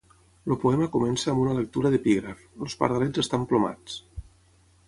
El poema comença amb una lectura d'epígraf: "Els pardalets estan plomats".